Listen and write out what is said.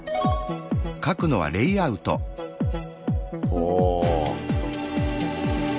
お。